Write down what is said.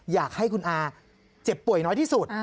อยากให้คุณอาเจ็บป่วยน้อยที่สุด